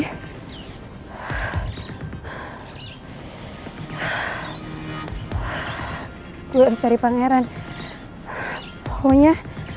aku harus cepat cepat ngurus keberangkatannya